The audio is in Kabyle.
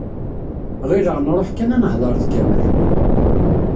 Ɣileɣ nruḥ kan ad nehder d Kamal.